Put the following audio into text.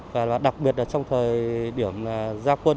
và đặc biệt trong thời điểm gia quân